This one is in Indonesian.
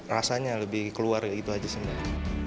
rasanya lebih keluar kayak gitu aja sebenarnya